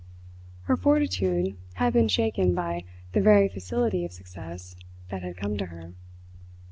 Her fortitude had been shaken by the very facility of success that had come to her.